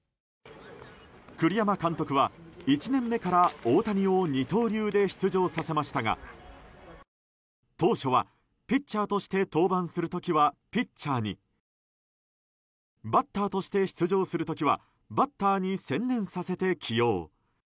栗山監督は１年目から大谷を二刀流で出場させましたが当初はピッチャーとして登板する時は、ピッチャーにバッターとして出場する時はバッターに専念させて起用。